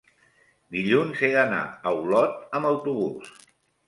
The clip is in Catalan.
dilluns he d'anar a Olot amb autobús.